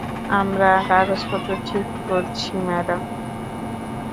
আমরা কাগজপত্র ঠিক করছি, ম্যাডাম।